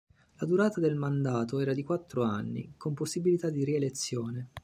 La durata del mandato era di quattro anni, con possibilità di rielezione.